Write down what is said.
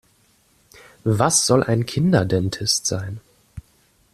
Was soll ein Kinderdentist sein?